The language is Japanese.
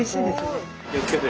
気をつけて。